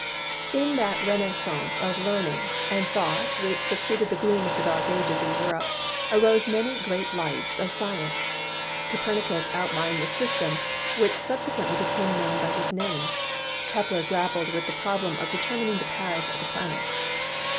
In that renascence of learning and thought which suc ceeded the gloom of the Dark Ages in Europe arose many great lights of science. Copernicus outlined the system which subsequently became known by his name. Kepler grappled with the problem of determining the paths of the planets.